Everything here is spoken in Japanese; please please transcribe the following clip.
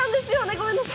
ごめんなさい。